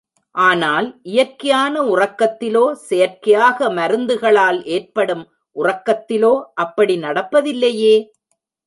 ஆனால், இயற்கையான உறக்கத்திலோ, செயற்கையாக மருந்துகளால் ஏற்படும் உறக்கத்திலோ, அப்படி நடப்பதில்லையே!